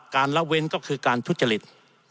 ละเว้นก็คือการทุจริต